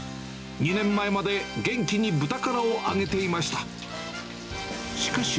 ２年前まで元気にブタカラを揚げていました。